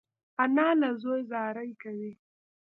انا له زوی زاری کوي